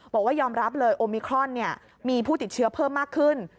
บอกว่ายอมรับเลยโอมิครอนมีผู้ติดเชื้อเพิ่มมากขึ้น